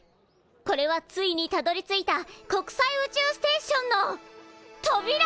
これはついにたどりついた国際宇宙ステーションのとびら！